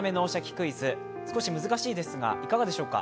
クイズ」、少し難しいでしょうが、いかがでしょうか。